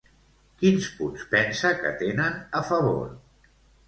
Quins punts pensa que tenen a favor?